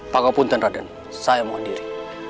pak kapunten raden saya mau andiri